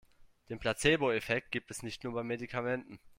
Den Placeboeffekt gibt es nicht nur bei Medikamenten.